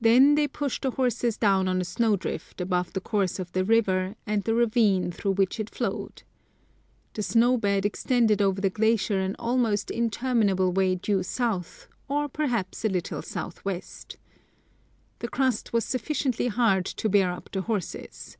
Then they pushed the horses down on a snowdrift, above the course of the river and the ravine through which it flowed. This snow bed extended over the glacier an almost interminable way due south, or perhaps a little south west The crust was sufficiently hard to bear up the horses.